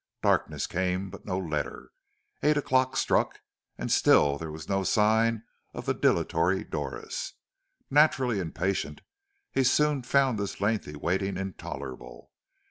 Darkness came, but no letter; eight o'clock struck, and still there was no sign of the dilatory Doris. Naturally impatient, he soon found this lengthy waiting intolerable.